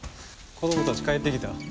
子供たち帰ってきた。